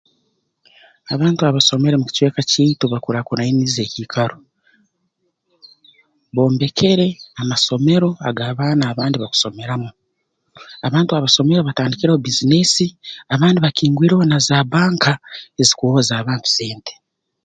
Abantu abasomere mu kicweka kyaitu bakurakuraniize ekiikaro bombekere amasomero ag'abaana abandi bakusomeramu abantu abasomere batandikireho bbiizinesi abandi bakingwireho na za bbanka ezikwohoza abantu sente